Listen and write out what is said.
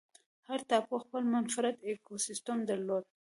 هر ټاپو خپل منفرد ایکوسیستم درلود.